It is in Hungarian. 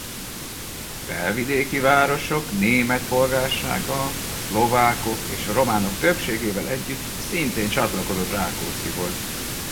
A felvidéki városok német polgársága a szlovákok és románok többségével együtt szintén csatlakozott Rákóczihoz.